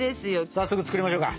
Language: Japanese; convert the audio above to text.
早速作りましょうか！